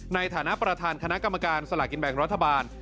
ในฐานะประธานคณะกรรมการสลากินแบ่งรัฐบาล